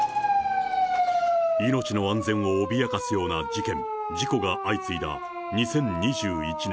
命の安全を脅かすような事件・事故が相次いだ２０２１年。